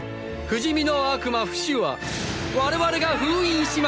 不死身の悪魔フシは我々が封印しました！！